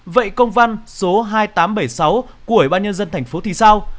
vậy công văn số hai nghìn tám trăm bảy mươi sáu của ủy ban nhân dân thành phố thì sao